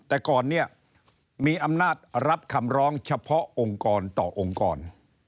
แต่ก่อนเนี่ยมีอำนาจรับคำร้องเฉพาะองค์กรต่อองค์กร